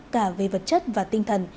cả về vật chất và tinh thần